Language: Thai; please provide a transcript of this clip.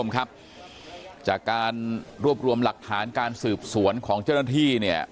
การรวบรวมหลักฐานการสืบสวนของเจ้าหน้าที่เนี่ย